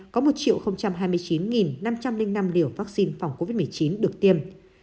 có một hai mươi chín năm trăm linh năm liều vaccine phòng covid một mươi chín được tiêm